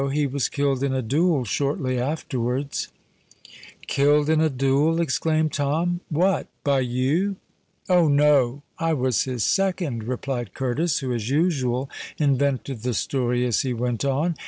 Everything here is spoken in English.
he was killed in a duel shortly afterwards." "Killed in a duel!" exclaimed Tom: "what—by you?" "Oh! no—I was his second," replied Curtis, who, as usual, invented the story as he went on.